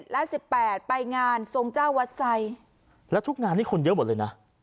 ๑๗และ๑๘ไปงานทรงเจ้าวัดใสแล้วทุกงานนี่คนเยอะหมดเลยนะ